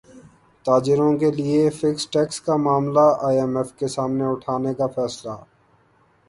تاجروں کیلئے fixed tax کا معاملہ ائی ایم ایف کے سامنے اٹھانے کا فیصلہ